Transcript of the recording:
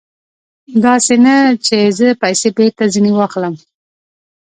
داسې نه چې زه پیسې بېرته ځنې واخلم.